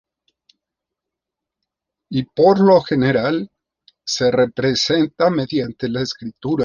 Y por lo general se representa mediante la escritura.